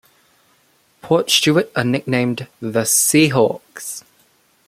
Portstewart are nicknamed "The Seahawks".